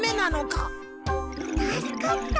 助かった。